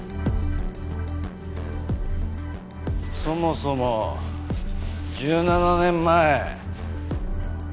そもそも１７年前。